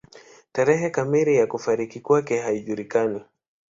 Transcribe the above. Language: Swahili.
Tarehe kamili ya kufariki kwake haijulikani.